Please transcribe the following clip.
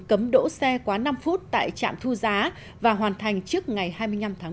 cấm đỗ xe quá năm phút tại trạm thu giá và hoàn thành trước ngày hai mươi năm tháng một